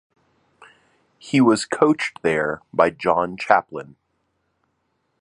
He was coached there by John Chaplin.